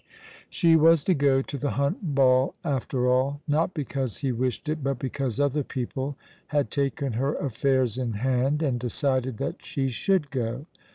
She was to go to the Hunt Ball after all ; not because he wished it, but because other people had taken her affairs in hand, and decided that she should go.